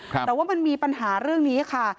แต่ว่ามันมีปัญหาเรื่องนี้ค่ะ